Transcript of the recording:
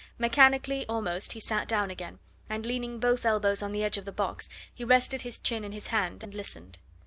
Mechanically almost he sat down again, and leaning both elbows on the edge of the box, he rested his chin in his hand, and listened.